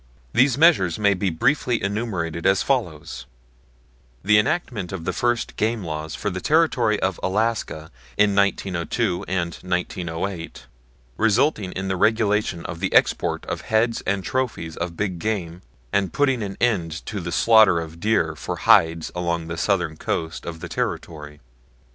These measures may be briefly enumerated as follows: The enactment of the first game laws for the Territory of Alaska in 1902 and 1908, resulting in the regulation of the export of heads and trophies of big game and putting an end to the slaughter of deer for hides along the southern coast of the Territory.